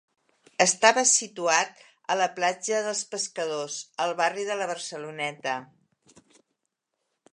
Estava situat a la Platja dels Pescadors, al barri de la Barceloneta.